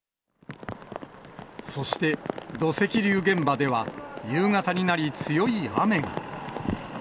そして、土石流現場では夕方になり、強い雨が。